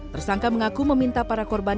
tersangka mengaku meminta para korban